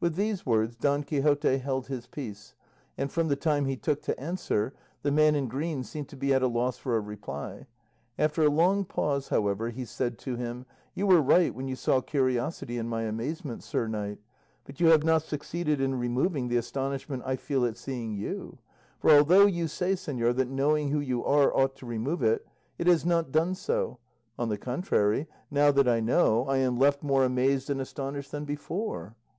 With these words Don Quixote held his peace, and, from the time he took to answer, the man in green seemed to be at a loss for a reply; after a long pause, however, he said to him, "You were right when you saw curiosity in my amazement, sir knight; but you have not succeeded in removing the astonishment I feel at seeing you; for although you say, señor, that knowing who you are ought to remove it, it has not done so; on the contrary, now that I know, I am left more amazed and astonished than before.